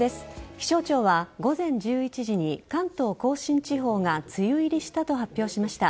気象庁は午前１１時に関東甲信地方が梅雨入りしたと発表しました。